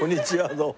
どうも。